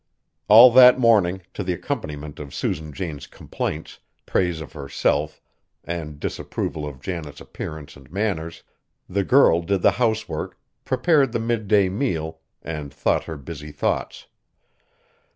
All that morning, to the accompaniment of Susan Jane's complaints, praise of herself, and disapproval of Janet's appearance and manners, the girl did the housework, prepared the midday meal, and thought her busy thoughts.